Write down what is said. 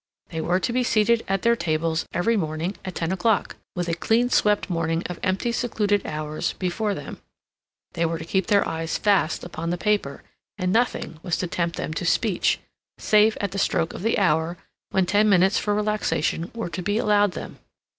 They were to be seated at their tables every morning at ten o'clock, with a clean swept morning of empty, secluded hours before them. They were to keep their eyes fast upon the paper, and nothing was to tempt them to speech, save at the stroke of the hour when ten minutes for relaxation were to be allowed them.